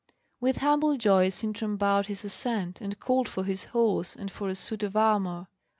With humble joy Sintram bowed his assent, and called for his horse and for a suit of armour.